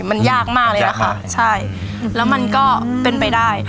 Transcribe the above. มันยากมากเลยนะคะใช่แล้วมันก็เป็นไปได้